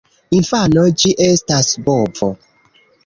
Infano: "Ĝi estas bovo!"